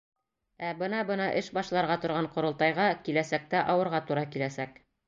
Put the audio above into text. Ә бына-бына эш башларға торған Ҡоролтайға киләсәктә ауырға тура киләсәк.